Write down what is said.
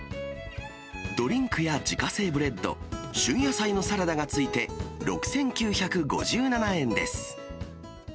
ドリンクや自家製ブレッド、旬野菜のサラダがついて、６９５７円です。